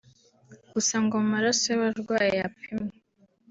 Gusa ngo mu maraso y’abarwaye yapimwe